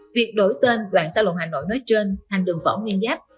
việc đổi tên đoạn xa lộ hà nội nói trên thành đường võ nguyên giáp